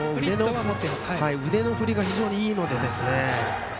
腕の振りが非常にいいので。